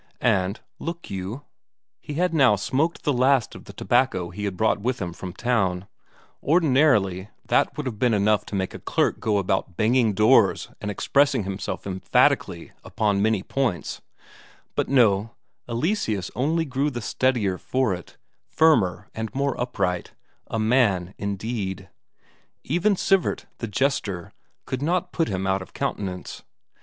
And, look you, he had by now smoked the last of the tobacco he had brought with him from town; ordinarily, that would have been enough to make a clerk go about banging doors and expressing himself emphatically upon many points; but no, Eleseus only grew the steadier for it firmer and more upright; a man indeed. Even Sivert, the jester, could not put him out of countenance.